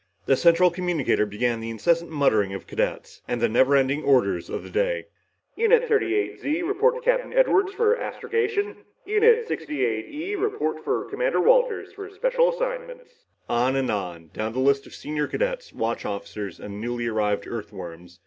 The central communicator began the incessant mustering of cadets, and the never ending orders of the day. "... Unit 38 Z report to Captain Edwards for astrogation. Unit 68 E report to Commander Walters for special assignments." On and on, down the list of senior cadets, watch officers, and the newly arrived Earthworms.